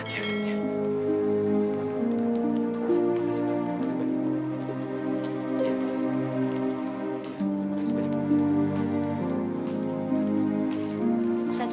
terima kasih banyak